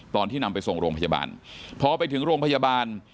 ตอนที่นำไปส่งโรงพยาบาลพอไปถึงโรงพยาบาล